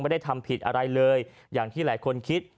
ไม่ได้ทำผิดอะไรเลยอย่างที่หลายคนคิด